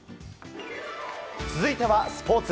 続いては、スポーツ。